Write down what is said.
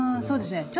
そうですね。